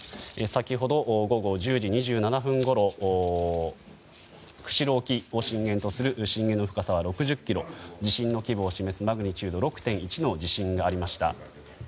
先ほど午後１０時２７分ごろ釧路沖を震源とする震源の深さ６０ｋｍ地震の規模を示すマグニチュード６．１の地震がありました。